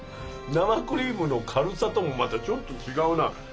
生クリームの軽さともまたちょっと違うな。